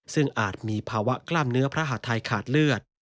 ซึ่งอาจมีภาวะกล้ามเนื้อพระหาทัยขาดเลือด